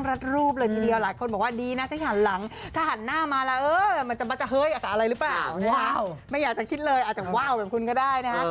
ไม่อยากจะคิดเลยอาจจะว่าวแบบคุณก็ได้นะฮะ